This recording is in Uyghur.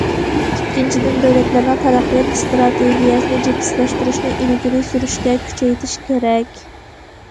ئىككىنچىدىن، دۆلەتلەرنىڭ تەرەققىيات ئىستراتېگىيەسىنى جىپسىلاشتۇرۇشنى ئىلگىرى سۈرۈشكە كۈچەش كېرەك.